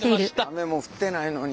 雨も降ってないのに。